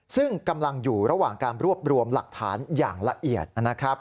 ซึ่งกำลังอยู่ระหว่างการรวบรวมหลักฐานอย่างละเอียดนะครับ